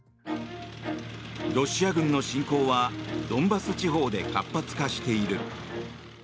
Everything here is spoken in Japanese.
ロシア軍の侵攻はドンバス地方で活発化している。